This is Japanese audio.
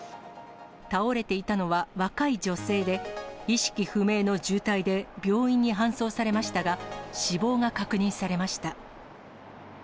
倒れていたのは若い女性で、意識不明の重体で病院に搬送されましたが、死亡が確認されました。